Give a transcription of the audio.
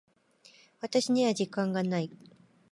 私には時間がない。